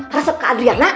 rasuk ke adriana